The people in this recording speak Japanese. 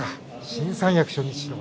新三役初日。